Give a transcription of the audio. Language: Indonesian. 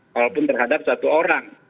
walaupun terhadap satu orang